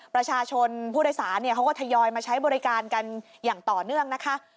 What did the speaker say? ประชาชนผู้โดยสารเขาก็ทยอยมาใช้บริการกันอย่างต่อเนื่องนะคะ